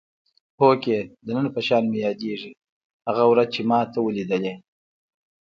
هوکې د نن په شان مې یادېږي هغه ورځ چې ما ته ولیدلې.